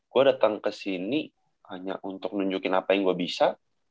gue datang ke sini hanya untuk nunjukin apa yang gue bisa